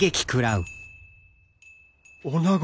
女子。